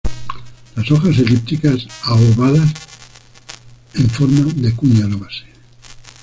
Las hojas elípticas a ovadas en forma de cuña la base.